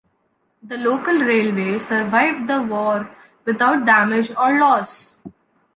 The local railway survived the war without damage or loss.